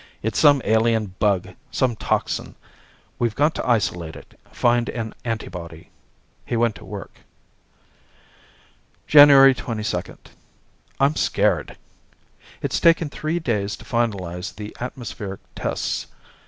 "It's some alien bug, some toxin. We've got to isolate it, find an antibody." He went to work. January 22 I'm scared. It's taken three days to finalize the atmospheric tests.